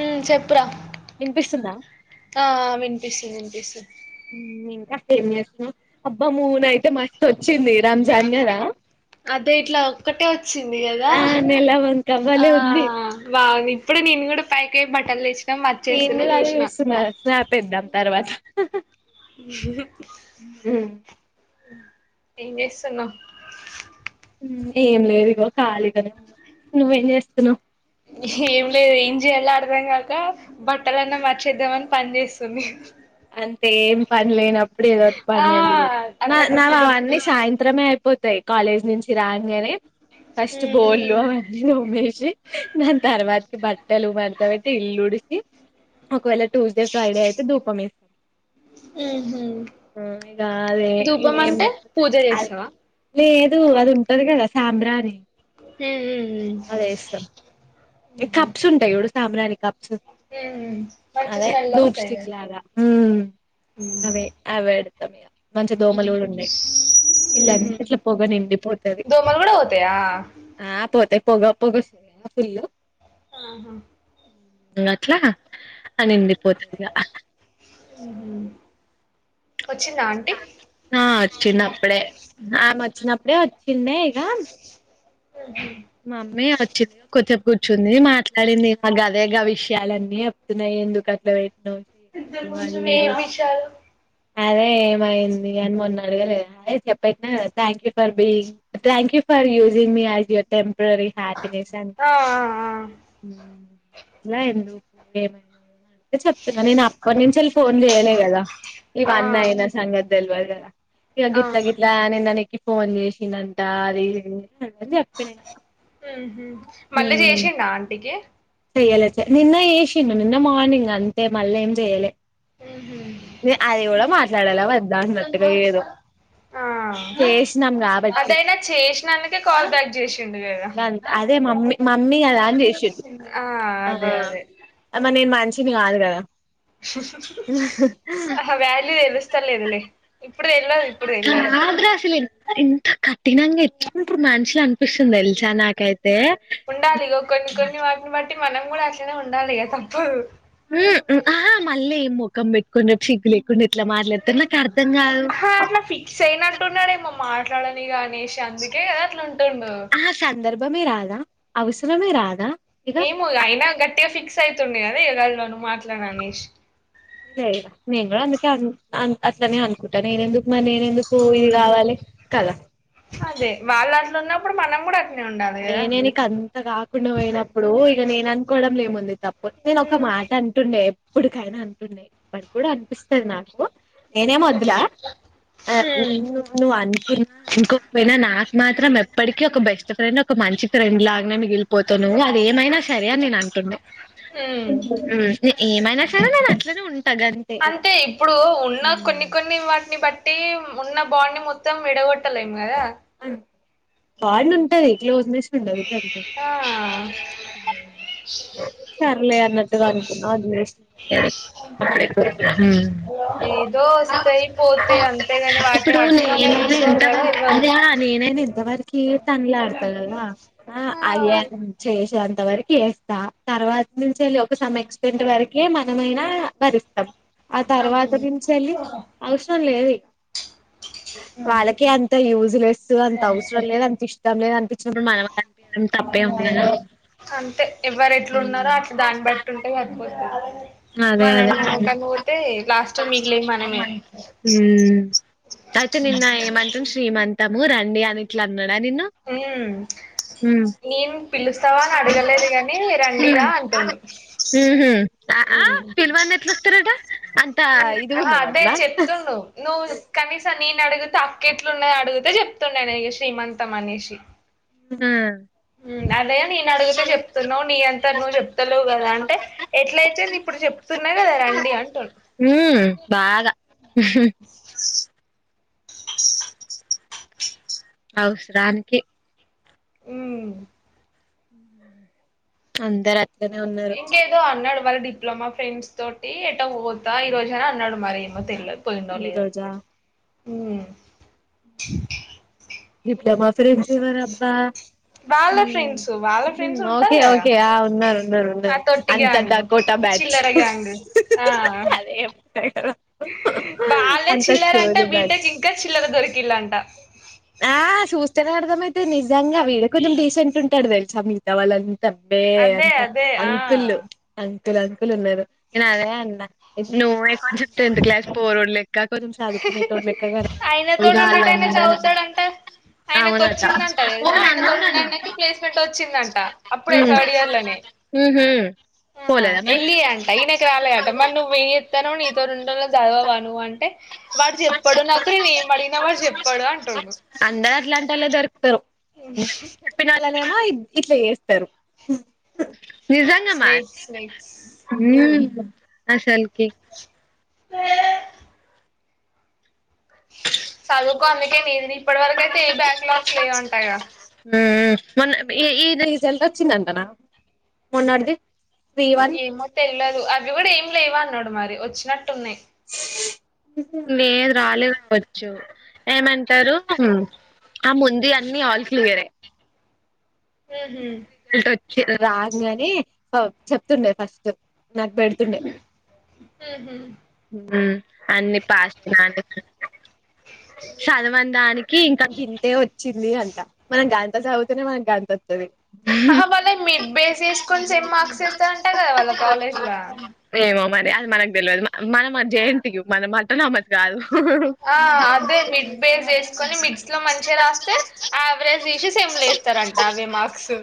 ఊ చెప్పురా వినిపిస్తుందా ఆ వినిపిస్తుంది వినిపిస్తుంది ఇమ్ ఇంకా ఏం చేస్తున్నావ్ అబ్బా మూన్ అయితే మస్త్ అదే ఇట్లా ఒక్కటే వచ్చింది కదా ఆ నెల వంక ఆ భలే ఉంది బాగుంది ఇప్పుడే నేను కూడా పైకెళ్ళి పడ్ నేను కూడా అదే చూస్తున్నా స్నాప్ ఎద్దం తర్వాత మ్మ్ ఏం చేస్తున్నావ్ ఏం లేదు ఇగో ఖాళీగానే ఉన్న నువ్వేం చేస్తున్నావు ఏం లేదు ఏం చేయలో అర్థం కాక, బట్టలన్నా మర్చేద్దామని పని చేస్తుంది. అంతే ఏం పని లేనప్ ఇప్పుడు ఏదో ఒక పని ఆ చేయ అట్లా గుర్తుకొస్తుంది బు యి కాలేజ్ నుంచి రాగానే ఫస్ట్ హ్మ్ బోల్వ [unintelligible] ఆమెషి నన్ తర్వాతకి బట్టెలు మడాతబట్టి ఇల్లు ఉడి ఏ ఒకవేళ ట్యూస్డే ఫ్రైడే అయితే ధూపం మే ఉహు ఇగ అదే ధూపం ఏం అంటే పూజ అది చేస్తావా లేదు అది ఉంటది కదా సాంబ్రాని హ్మ్ హ్మ్ అదే ఇష్టం ఎ హ్మ్ కప్స్ ఉంటాయి చూడు సాంబ్రాని క హ్మ్ మంచి అదే స్మెల్ వస్తాయి డూప్స్టిక్ కదా లాగా అవే హ్మ్ అవ్ సమయ మంచి దోమలు కూడా ఉన్నాయి, ఊహూ వీళ్ళంతట్లా పోగనిండి పోతది దోమలు కూడా పోతాయా పొగా [inaudible] ఆహా అట్లా అనింది పోతది ఇగ మ్మ్ వచ్చిందా ఆంటీ ఆ వచ్చింది అప్పుడే ఆ వచ్చినప్పుడే వచ్చిందే ఇక మమీ అచ్చ కొథ కూర్చుంది మాట్లాడింది మా గవేగా విషయాలన్నీ చెప్తున్నాయి ఎందుకు అట్లా పెట్టినావు స్టేటస్ అది ఇద్దరుకుంచుమే ఇది విషాలు అదే ఏమైంది అని మొన్న అడిగాలే అదే చెప్పట్ thank you for being, thank you for using మీ ఆయ్ టెం ప్రరీ హాపీనెస్ అని ఆ ఆ [inaudible] ఏమైనా [inaudible] చెప్తున్నా నేను అప్పటి నుంచెళ్ ఫోన్ జేయలే గదా ఆ ఇవన్నీ ఐన ఆ సంగతి దెల్వదు [inaudible] ఇగ గిట్ల అవును గిట్లా నిన్న నీకి ఫోన్ చేసిందంట అది ఇది [inaudible] ఊహూ మళ్ళీ చేసిండా ఆంటీ కి చెయ్యాలే చె నిన్న ఏషిండు నిన్న మార్నింగ్ అంతే మళ్ళేం చెయ్యాలే మ్మ్ అది ఎవళో మాట్లాడేలా వద్ చేసినాం కాబట్టి అదైనా చేస్ నన్నుకే కాల్ కట్ చేసి [unintelligible] కదా గంతే అదే మమ్మీ మమ్మీ కదా అని చేసిర్రు ఆ అదే అదే అమ్మ నేను మనిషిని కాదు కదా తెలుస్తా లేదులే ఇప్పుడు తెల్వదు ఇప్పుడు తెల్వదు ఇంత కఠినంగా ఎట్లుంటురు మనుషులు అనిపిస్తుంది తెలుసా నాకై ఉండాలి ఇగ కొన్ని కొన్ని వాటిని బట్టి మనం నువ్ కూడా అట్లనే ఉండాలి అ తప్పు ఆహా మళ్ళీ ముఖం పెట్టుకొని చిగ్గు లేకుండా ఎట్లా మాట్లా హా అట్లా ఫిక్స్ అయినట్టున్నడేమో మాట్లాడని కాని వేష అందుకే అట్లా ఉంటుండు ఆ సందర్భమే రాదా అవసరమే రాదా ఇక ఏమో అయినా గట్టిగా ఫిక్స్ అయితుం నేనదే కదా [unintelligible] మాట్లాడ అనీష్ [inaudible] ఇగ నేను కూడా అందుకే అన్ అట్లనే అనుకుంటా నేనెందుకు మరి నేనెందుకు ఇది ఉమ్ కావాలి కదా ప్పుడు మనం కూడా అట్నే ఉండాలి కదా నేనే నీకు అంత కాకుండా పోయినప్పుడు ఇక నేను అనుకోవడం లేము తప్పోత్తే ఒక ఉమ్ మాట అంటుండే ఇప్పుటికైనా అంటుండే పడి కూడా అనిపిస్తది నాకు నేనేమో వదులా [unintelligible] నువ్ అన్ కున్నాం అనుకోకపోయినా నాకు మాత్రం ఎప్పటికీ ఒక బెస్ట్ ఫ్రెండ్ ఒక మంచి ఫ్రెండ్ లాగానే మిగిలిపోతానువ్వు అది ఏమైనా సరే అని నేను అంటుండే ఊ ఏమైనా సరే నేను అట్లనే ఉంటా గంతే ఇగ అంతే ఇప్పుడు ఉన్న ఉమ్ కొన్ని కొన్ని వాటిని బట్ట్ తే ఉన్న బాండ్ ని మొత్తం విడగొట్టలేం కదా బాండ్ ఉంటది, క్లోస్నెస్ ఉండదు గంతే. ఆ హ సర్లే అన్నట్టుగా అనుకున్నాం అది మీ అంతే ఏదో వస్తాయి పోతాయి అంతేగాని వాటిని ఇప్పుడు పట్టుకొనే నేనైన కూసోరు కదా ఎంతవరకు ఎవరు అదే అహా నేనైనా ఎంతవరికి తనులాడత కదా ఆ అయ్యా చే అంత వరికి యెస్తా తర్వాత నుంచి ఎళ్ళి సమ్ ఎక్స్టెంట్ వరకే మనమైనా భరిస్తం ఆ తర్వాత అవును నుంచి ఎళ్ళి అవసరం లేదీ వాళ్ళకే అంత యూజ్ లెస్ అంత అవసరం లేదు అంత ఇష్టం లేదు అ చూడు మన [unintelligible] తప్పే ఉండది అంతే ఎవరు ఎట్లున్నరో అట్ల దాన్ని బట్టి ఉంటే సరిపోతది ఆ అదే అదే లాస్ట్ మిగిలేవి మనమే అయితే నిన్న ఏమంటుంది శ్రీమంత్ తము రండి అని ఇట్లా అన్నా నేన్ పిలుస్తావా అని అడగలేదు గాని రండీగా అంటుండు ఊహు ఆ ఆ ఉమ్ పిల్వంది ఎట్లోస్తరట అంతా ఉమ్, ఇది ఆహా గున్నమట్నా నేన్ అడిగితే అక్కెట్లున్నదని అడిగితే చెప్తుండాయన ఇగ శ్రీమంతం అనేసి మ్ అదే నేను అడిగితే చెప్తున్నవు నీ అంతట నువ్వు చెప్తలేవ్ కదా, అంటే ఎట్లయితే ఎంది ఇప్పుడు చెప్తున్నా కదా రండి అంటుండు. హ్మ్ బాగా అవసరానికి ఉమ్ అందర ట్లనే ఉన్నారు ఇంకేదో అన్నాడు వాళ్ళ డిప్లమా ఫ్రేండ్స్ తోటి ఎటో పోతా ఈ రోజా అన్నడు మరేమో తెలవదు ఈ రోజా మ్ అ డిప్లమా ఫ్రెండ్స్ ఎవర్ అబ్బా వాళ్ళ ఫ్రెండ్స్ వాళ్ళ ఫ్రెండ్స్ ఉంటారు ఓకే కదా ఓకే ఆ ఉన్నరు ఉన్నరు ఆ ఉన్నరు. తొట్టి అంత గ్యాంగ్ డకోటా బ్యాచ్, చిల్లర గ్యాంగ్ ఆ అదే చెప్తా కదా వాళ్ళే అంత చోరి బ్యాచ్. ఇలాంట ఆ సూస్తేనే అర్థమై నిజంగా అద్ వీడె కొంచెం డీసెంట్ ఉంటడు దె ఛా బిడ్డ వాళ్ళకు తబ్బే అదే అంత అదే ఆ అంకుల్ అ అంకులు అంకులు ఉన్నారు నేను అదే అన్నా నుో్ కొంచెం టెంత్ క్లాస్ పోరో ల్లే ఇ చదువుకునే నీటో లెక్కగాదు ఆయనతోడు ఇంకా ఉన్నటైనా చదువుతాడంట ఆయనకు వచ్చిందంట తెలుసా పోను అన్నావు ఆయనతోం కదా ఆయనకి ప్లేస్మెంట్ వచ్చిందంట అప్పుడే థర్డ్ ఇయర్ లోనే నువ్వు పోలేదా మరి ఎళ్లి అంట ఈయనకి రాలే అంట మరి నువ్వు ఏ ఎస్తాను నీతోో ఉండ చదవావా నువ్వు అంటే వాడు చెప్పాడు నాకు నేను ఏం అడిగిన వాడు చెప్పాడు అంటుడు అందరు అట్లాంటోళ్లె దొరుక- వత్తరు. అ చెప్పిన వాళ్ళనే మో ఇట్లా చేస్తు చెప్తరు. నిజాంగా మాద్ స్నేక్స్ స్నేక్స్ మ్మ్ అసలు కేక్ చదువుకో అందుకే నీది నీ ఇప్పటి వరకు అయితే ఏ బ్యాక్ లాగ్స్ లేవంటా గ ఉ ఈ ఈ ఈజెల్ట్ వచ్చిందంటనా మొన్నడ్దే. ఏమో తెల్వదు. ఎవడు ఏం లేవా అన్నాడు. మరి వచ్చినట్టు ఉన్నాయి. [inaudible] లేదు రాలేదు బవచ్చు. ఏమంటారు. ఆ ముందు ది అన్ని ఆల్ క్లియరే. ఊహూ రిజల్ట వచ్చిను రాజ్ గాని చెప్తుండే. ఫస్ట్. నాకు పెడుతుండే ఊహూ అన్ని పాసైదానికి చదవన దానికి ఇంకా గింతే వచ్చింది. అ మన గాంత చదువుతనే మన గంత త్తది అహా వాళ్ళ మిడ్ బేస్ చేసుకొని సేమ్ మార్క్స్ వేస్తారుంటా కదా. వాళ్ళ కాలేజ్ల ఏమో అది మనకు తెలియదు మనం జ యన్ టి యు మనం అటానమస్ చాలు ఆ అదే మిడ్ పేజ్వేసుకొని మిడ్స్ లో మంచిగా రాస్తే ఆవరేజ్ తీసి సేమ్ల వేస్తారంట. అవే మార్క్స్.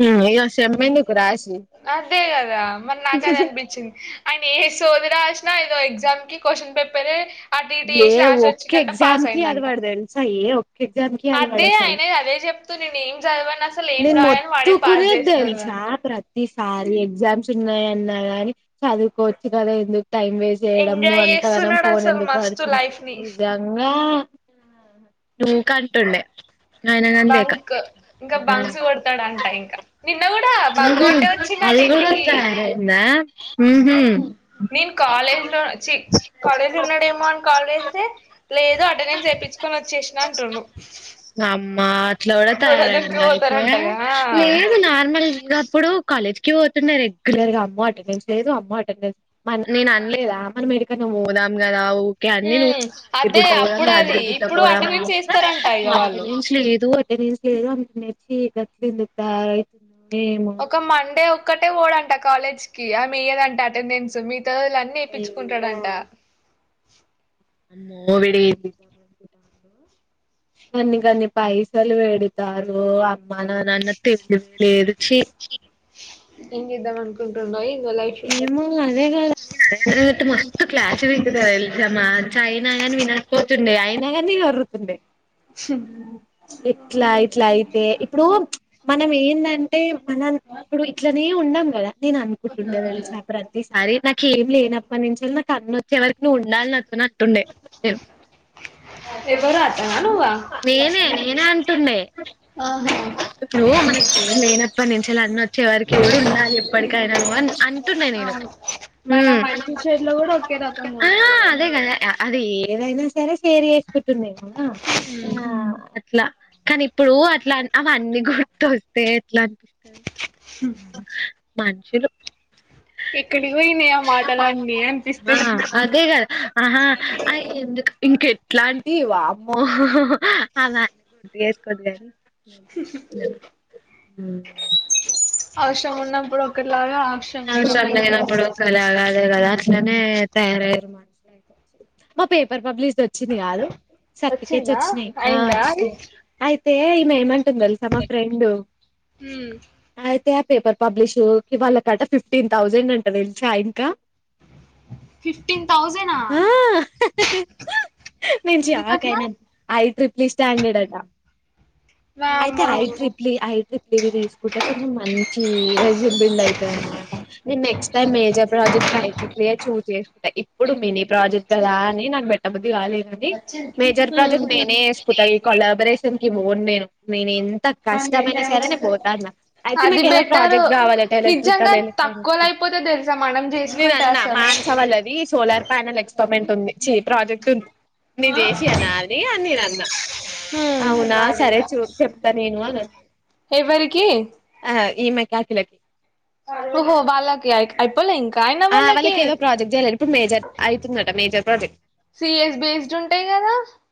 హ్మ్ ఇగ సెమ్ ఎందుకు రాసి అదే కదా మరి నాకది అనిపించింది ఆయన. సోది రాసిన ఏదో ఎగ్జామ్ కి కోషన్ పేపరూ. ఏ ఒక్క ఎగ్జామ్ కి అరవడు తెలుసా. ఏ ఒక్క ఎగ్జామ్ కీ అరవడు అదే అసలు. ఆయన అదే చెప్తూ నేను ఏం చదవను అసలు ఏం నేను రాయను వాడే పాస్ మొత్తుకునేది చేస్తాడు తెలుసా అని ప్రతిసారీ ఎగ్జామ్స్ ఉన్నాయన్ ఉన్నా గాని చదువుకోవచ్చు గదా ఎందుక్ టైం వేస్ట్ చేయడం. నువ్వు ఎంజాయ్ అంతగనం చేస్తున్నాడు ఫోన్ అసలు ఎందుక్ మస్తు లైఫ్ ని నిజంగ ఆ ఊక అంటుండే. ఆయన గంతే ఇక బంక. ఇంకా బంక్స్ కొడతాడంట ఇంకా. నిన్న గూడా బంక్ కొట్టే వచ్చిండట అది కూడా ఇంటికీ. తయారైందా ఊహూ ఉమ్ నేన్ కాలేజ్ లో ఛీ కాలేజ్ లో ఉన్నడేమొ. మన్ కాలేజ్ డే లేదు అటెండెన్స్ ఏపిచ్చుకొని వచ్చేశినా అంటుండు. అమ్మా అట్లా గూడా గొడవలకి తయారయిండా అయితే. పోతారంటగా ఆ. లేదు నార్మల్ గా అప్పుడూ కాలేజ్ కి పోతున్నా రెగ్యులర్ గా. అమ్మో అటెండెన్స్ లేదు అమ్మో అటెండెన్స్. మ నేన్ అన్లేదా మనం ఏడికన్నా పోదాం గదా. ఉమ్ అదే అప్పుడు అదీ. యాదగిరిగుట్ట ఇప్పుడు పోదాం అటెండెన్స్ ఏస్తరంట. అటెండెన్స్ లేదు. రీల్స్ లేదు ఆమె నేర్చి గట్ల ఎందుకు తయారవుతుంది. ఒక మండే ఒక్కటే వోడంట కాలేజ్ కీ. ఆమె ఈయదంట అటెండెన్స్ మీ తోల్ అన్నీ ఏపిచ్చుకుంటడంటా. అమ్మో వీదేంది [inaudible] గన్ని గన్ని పైసలు పెడతారూ మనా అన అన్నట్టు [inaudible] లేదు ఛీ ఉన్నాయి ఏమో అదే గదా నేన్ అన్నట్టు మస్తు క్లాస్ పీకుతది ఎల్ మ్యాచ్ అయినా గాని వినకపోతుండే, అయినా గాని వర్రుతుండే. ఎట్లా ఇట్లా అయితే, ఇప్పుడూ మనం ఏందంటే మనం ఇప్పుడు ఇట్లనే ఉన్నాం గదా నేననుక్ టుండే తెలుసా ప్రతీసారీ నాకేం లేనప్పట్ నుంచెల్ నా తన్న వచ్చేవరికి నువ్వుండాలి నాతోని అంటుండే. పేరు ఎవరు అతనా నువ్వా నేనే నేనే అంటుండే. ఆహా ఇప్పుడూ మనకేం లేనప్పటి నుంచెలి అన్నోచ్చే వరికి గూడ ఉండాలి ఎప్పటికైనా నువ్వు అంటుండే. నేను అవును మన ఉమ్ మంచి చెడులు కూడా ఒకే రకంగా ఉండాలి అదే కదా అదీ ఏదైనా సరే షేర్ చేస్ తున్నయ్ గదా ఆ అట్లా కానీ ఇప్పుడూ అట్లా అన్ అవన్నీ గుర్తుస్తే. ట్లన్పిస్తది మనుషులు ఎక్కడికి పోయినయి ఆ మాటలన్నీ అనిపిస్తే ఆ అదే కదా ఆహా అ ఎందుకు ఇట్లాంటి వామ్మో అ [inaudible] గుర్తు చేసుకోద్ కానీ అవసరం ఉన్నప్పుడు ఒకటిలాగా అవసరం లేనప్పుడు ఒకలాగా ఒకలాగా అదే కదా అట్లనే మా పేపర్ పబ్లిష్ వచ్చింది కాదు సర్తికేట్స్ వచ్చిందా వచ్చినాయి ఆ అయిందా అది వచ్చినాయి ఐ తే ఇమె ఏమంటుంది తెలుసా మా ఫ్రెండ్ మ్ తే ఆ పేపర్ పబ్లిష్ కి వాళ్ళకట్ట ఫిఫ్టీన్ థౌజండ్ అంట తెలుసా ఇంకా ఫిఫ్టీన్ థౌజన్ హా మంచి ఆ కనా హై ట్రిప్లి స్టాండడ్ అం అయితే వామ్మో ఐ ట్రిప్లీ ఐ ట్రిప్ ఇవి తీసుకుంటే కొంచెం మంచి రజ బిల్డ్ అవుతుంది అనమాట, నేను నెక్స్ట్ టై మేజర్ ప్రాజెక్ట్ ఐ ట్రిప్లీ చూస్ ఇప్పుడు మిని ప్రాజెక్ట్ కదా అని నాకు పెట్ట బుద్ది కాలే ది మేజర్ ప్రాజెక్ట్ నేనే చేసుకుంటా ఈ కొలాబరేషన్ కి బఓన్ నేను నేను ఎంత కష్టమైనా సరే నేను పోతాన్నా, అయితే అది మాకు ఏదో బెటరు ప్రాజెక్ట్ కావాలట నిజంగా ఎలక్ట్రికల్, తక్కువలో ఎలక్ట్రానిక్ అయిపోతే తెలుసా మనం నేన చేసుకుంటే అన్నా అసలు మాన్స్ వాళ్ల అది సోలార్ ప్యానల్ ఎక్స్టమెంట్ ఉంది చే ప్రాజెక్ట్ ఉంది నీ దేశినా అది అన్నినా అన్న అవునా సరే చూ చెప్తా నేను అ ఎవరికి ఆ ఈమె కాయాకిలకి ఓహో వాలకి అ అయ్యిపోలే ఇం ఆ వాళ్ళకి ఏదో ప్రాజెక్ట్ చేయలేదు ఇప్పుడు మేజర్ అవుతుందట మేజర్ ప్రాజె సిఎస్ బేస్డ్ ఉంటాయి కదా